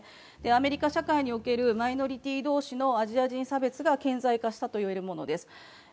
アメリカ社会におけるマイノリティー同士のアジア差別が顕在化したといえるものです。